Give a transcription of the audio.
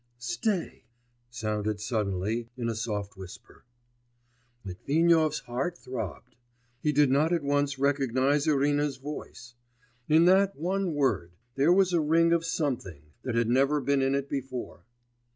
'Stay,' sounded suddenly, in a soft whisper. Litvinov's heart throbbed, he did not at once recognise Irina's voice; in that one word, there was a ring of something that had never been in it before.